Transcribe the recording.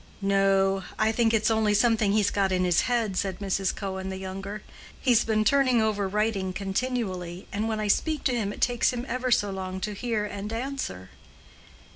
"No; I think its only something he's got in his head," said Mrs. Cohen the younger. "He's been turning over writing continually, and when I speak to him it takes him ever so long to hear and answer."